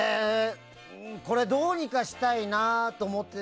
これどうにかしたいなと思って。